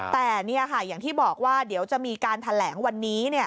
แต่อย่างที่บอกว่าเดี๋ยวจะมีการแถลงวันนี้